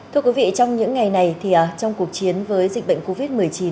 thưa quý vị trong những ngày này thì trong cuộc chiến với dịch bệnh covid một mươi chín